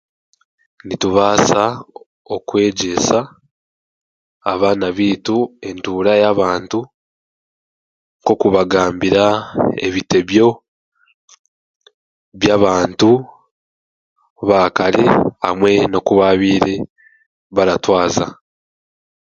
Nitubaasa okwegyesa abaana baitu entuura y'abantu nk'okubagambira ebitebyo byabantu ba kare hamwe n'okubaabaire baratwaza